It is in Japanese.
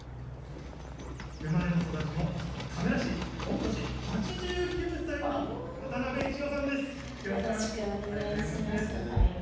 生まれも育ちもここ田村市御年８９歳の渡辺千代さんです。